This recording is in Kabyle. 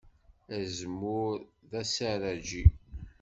Azemmur d aseṛṛaǧi.